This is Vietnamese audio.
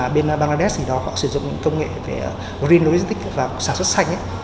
bên bangladesh họ sử dụng công nghệ green logistics và sản xuất xanh